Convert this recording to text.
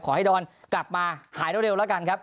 ขอให้ดอนกลับมาหายเร็วแล้วกันครับ